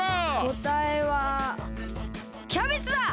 こたえはキャベツだ！